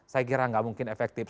saya kira nggak mungkin efektif